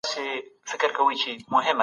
د مطالعې پر مهال له کتابونو ګټه اخیستل کېږي.